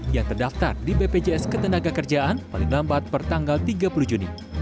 yang terdaftar di bpjs ketenaga kerjaan paling lambat per tanggal tiga puluh juni